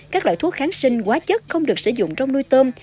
các loại thuốc kháng sinh quá chất không được sử dụng trong nuôi tôm